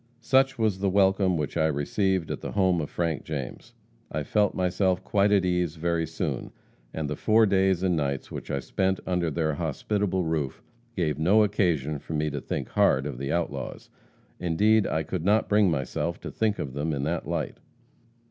"Such was the welcome which I received at the home of Frank James. I felt myself quite at ease very soon, and the four days and nights which I spent under their hospitable roof gave no occasion for me to think hard of the outlaws. Indeed, I could not bring myself to think of them in that light.